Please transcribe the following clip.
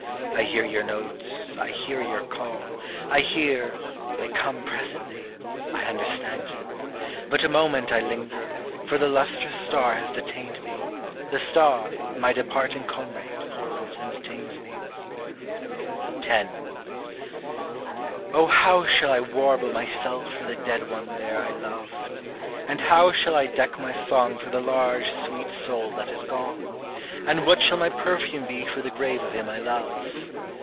I hear your notes, I hear your call, I hear, I come presently, I understand you; But a moment I linger, for the lustrous star has detained me, The star my departing comrade holds and detains me. 10. O how shall I warble myself for the dead one there I loved? And how shall I deck my song for the large sweet soul that has gone? And what shall my perfume be for the grave of him I love?